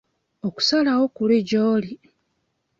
Okusalawo kuli gy'oli.